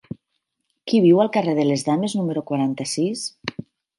Qui viu al carrer de les Dames número quaranta-sis?